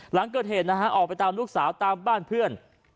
หลังเกิดเหตุนะฮะออกไปตามลูกสาวตามบ้านเพื่อน